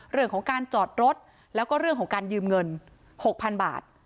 เรื่องของการจอดรถแล้วก็เรื่องของการยืมเงิน๖๐๐๐บาท